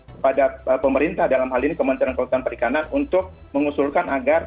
kepada pemerintah dalam hal ini kementerian kelautan perikanan untuk mengusulkan agar